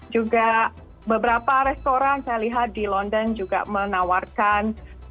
juga beberapa restoran saya lihat di london juga menawarkan